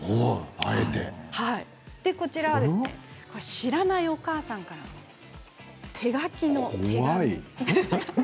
そして、知らないお母さんからの手書きの手紙。